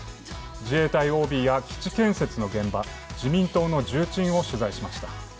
自衛隊ＯＢや基地建設の現場、自民党の重鎮を取材しました。